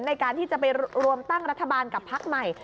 ในการที่จะไปรวมตั้งรัฐบาลกับพักใหม่